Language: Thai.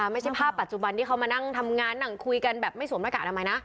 ไม่ใช่ภาพปัจจุบันที่เขามานั่งทำงานนั่งคุยกันแบบไม่สวมหน้ากากอนามัยนะ